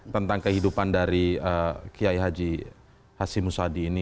tentang kehidupan dari kiai haji hashim musadi ini